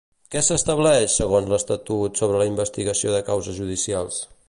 Què s'estableix segons l'estatut sobre la investigació de causes judicials?